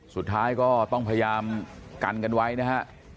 สุดท้ายก็ต้องพยายามกันกันไว้นะฮะ